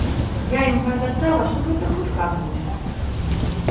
Я ім паабяцала, што гэта хутка адбудзецца.